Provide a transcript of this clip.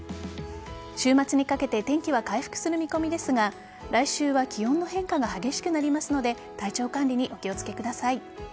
週末にかけて天気は回復する見込みですが来週は気温の変化が激しくなりますので体調管理にお気をつけください。